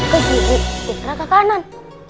pindah ke kanan